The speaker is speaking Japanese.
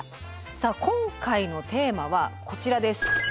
さあ今回のテーマはこちらです。